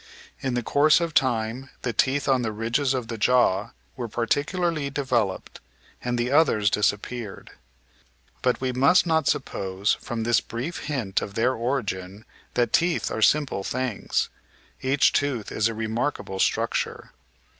In the course of time the teeth on the ridges of the jaw were particularly developed, and the others disappeared. But we must not suppose from this brief hint of their origin that teeth are simple things. Each tooth is a remarkable structure.